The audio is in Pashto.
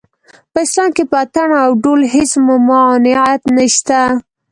په اسلام کې په اټن او ډول هېڅ ممانعت نشته